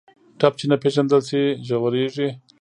ټپ چې نه پېژندل شي، ژورېږي.